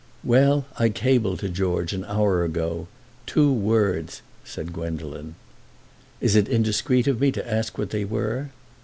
"Well, I cabled to George an hour ago—two words," said Gwendolen. "Is it indiscreet of me to ask what they were?"